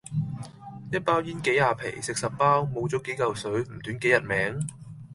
一包煙幾廿皮，食十包，冇左幾舊水，唔短幾日命?